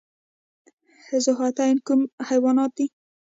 ذوحیاتین کوم حیوانات دي؟